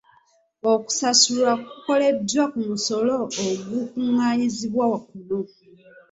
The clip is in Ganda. Okusasulwa kukoleddwa ku musolo ogukungaanyizibwa kuno.